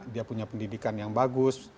dia punya pendidikan yang bagus